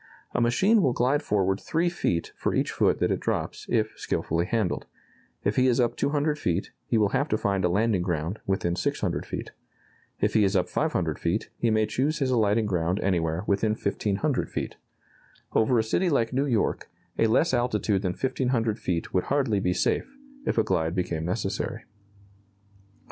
A machine will glide forward 3 feet for each foot that it drops, if skilfully handled. If he is up 200 feet, he will have to find a landing ground within 600 feet. If he is up 500 feet, he may choose his alighting ground anywhere within 1,500 feet. Over a city like New York, a less altitude than 1,500 feet would hardly be safe, if a glide became necessary.